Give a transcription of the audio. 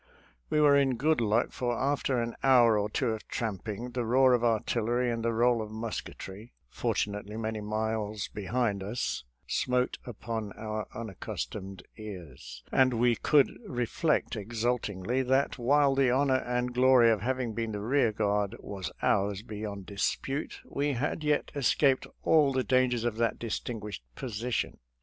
We were in good luck, for after an hour or two of tramping, the roar of artillery and the roll of musketry— fortunately many miles behind us — smote upon our unaccustomed ears, and we could reflect exultingly, that while the honor and glory of having been the rear guard was ours 34 SOLDIER'S LETTERS TO CHARMING NELLIE beyond dispute, we had yet escaped all the dan gers of that distinguished position.